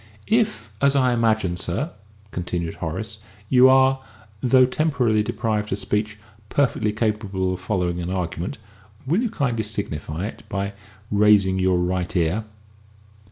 "If, as I imagine, sir," continued Horace, "you are, though temporarily deprived of speech, perfectly capable of following an argument, will you kindly signify it by raising your right ear?"